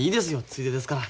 ついでですから。